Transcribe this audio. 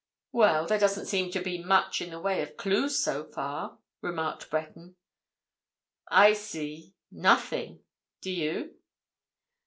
"Well, there doesn't seem to be much in the way of clues, so far," remarked Breton. "I see—nothing. Do you?"